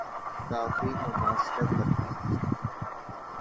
کافی مماثلت لگتی ہے۔